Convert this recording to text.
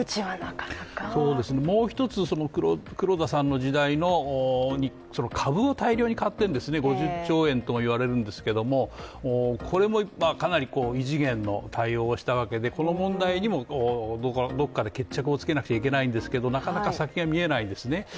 そうですね、もう一つ黒田さんの時代の株を大量に買っているんですね、５０兆円ともいわれるんですけどもこれもかなり異次元の対応をしたわけでこの問題にもどっかで決着をつけなきゃいけないんですけどなかなか先が見えないですね。